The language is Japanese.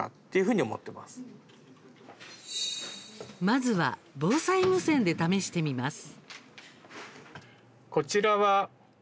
まずは、防災無線で試してみます。